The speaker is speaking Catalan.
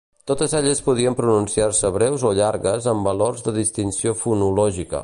Totes elles podien pronunciar-se breus o llargues amb valor de distinció fonològica.